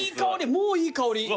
もういい香り。